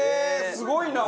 すごいな。